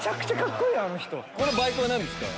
このバイクは何ですか？